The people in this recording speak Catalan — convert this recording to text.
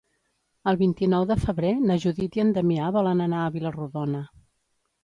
El vint-i-nou de febrer na Judit i en Damià volen anar a Vila-rodona.